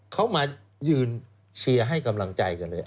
เขามายืนเชียร์ให้กำลังใจกันเลย